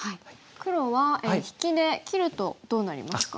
黒は引きで切るとどうなりますか？